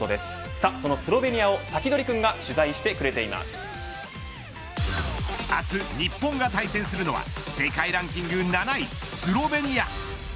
さあそのスロベニアをサキドリくんが明日、日本が対戦するのは世界ランキング７位スロベニア。